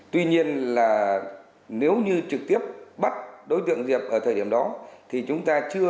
tuy nhiên hành trình săn sói đang dần khép chặt vòng vây